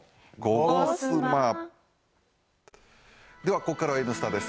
ここからは「Ｎスタ」です。